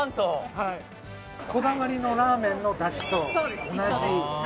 こだわりのラーメンのだしと同じ。